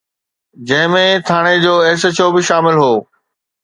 جنهن ۾ ٿاڻي جو ايس ايڇ او به شامل هو.